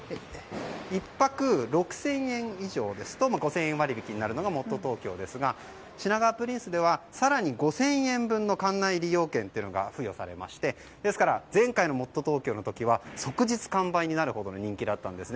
１泊６０００円以上ですと５０００円割引になるのがもっとＴｏｋｙｏですが品川プリンスでは更に５０００円分の館内利用券というのが付与されましてですから前回のもっとＴｏｋｙｏの時は即日完売になるほど人気だったんです。